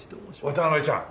渡辺ちゃん。